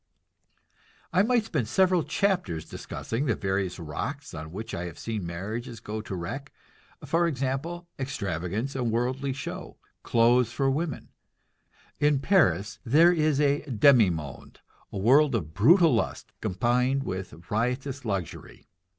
I might spend several chapters discussing the various rocks on which I have seen marriages go to wreck. For example, extravagance and worldly show; clothes for women. In Paris is a "demi monde," a world of brutal lust combined with riotous luxury.